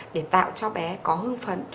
để tạo cho bé có hương phấn